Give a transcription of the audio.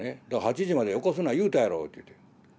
だから８時まで起こすな言うたやろうって言うて。